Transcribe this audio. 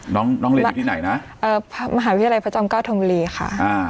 น้องน้องเรียนอยู่ที่ไหนนะเอ่อมหาวิทยาลัยพระจอมเก้าธมบุรีค่ะอ่า